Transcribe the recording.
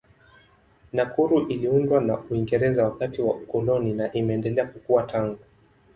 Nakuru iliundwa na Uingereza wakati wa ukoloni na imeendelea kukua tangu.